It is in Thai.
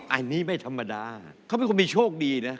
อันนี้ไม่ธรรมดาเขาเป็นคนมีโชคดีนะ